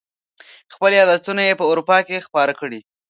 خپل یاداشتونه یې په اروپا کې خپاره کړي.